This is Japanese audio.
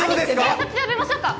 警察呼びましょうか？